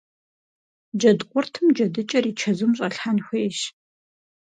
Джэдкъуртым джэдыкӀэр и чэзум щӀэлъхьэн хуейщ.